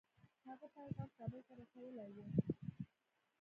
هغه پیغام کابل ته رسولی وو.